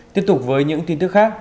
tiếp tục với những tin tức khác